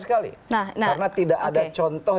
sekali karena tidak ada contoh